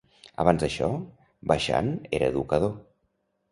Abans d'això, Bachand era educador.